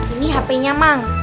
ini hpnya mang